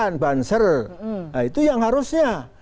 nah itu yang harusnya